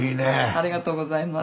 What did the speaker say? ありがとうございます。